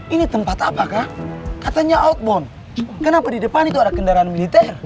ini tempat apakah katanya outbound kenapa di depan itu ada kendaraan militer